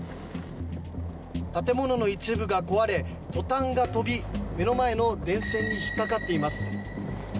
建物の一部が壊れトタンが飛び目の前の電線に引っかかっています。